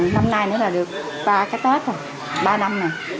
năm nay là được ba cái tết rồi ba năm nè